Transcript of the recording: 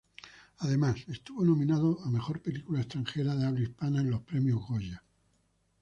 Además estuvo nominado a mejor película extranjera de habla hispana en los Premios Goya.